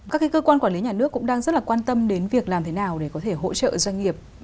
các cơ quan quản lý nhà nước cũng đang rất là quan tâm đến việc làm thế nào để có thể hỗ trợ doanh nghiệp